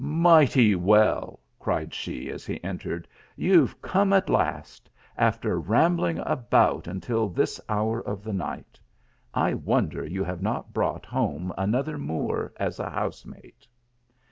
" Mighty well !" cried she, as he entered ;" you ve come at last ; after rambling about until this hour of the night. I wonder you have not brought home another Moor as a housemate."